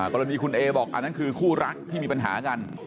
กรณีคุณเอบอกอันนั้นคือคู่รักที่มีปัญหากัน